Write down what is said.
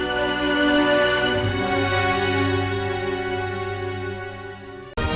permintaan penjaga penjaga dihubungi kita